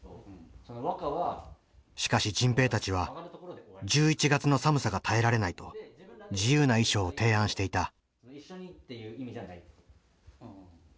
しかし迅平たちは１１月の寒さが耐えられないと自由な衣装を提案していた。